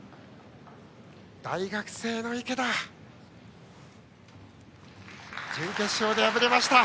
大学生の池田は準決勝で敗れました。